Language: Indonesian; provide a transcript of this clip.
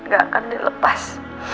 gak akan dilepas